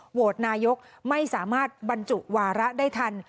โหวตนายกไม่สามารถบรรจุวาระได้ทัน